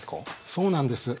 そうなんです。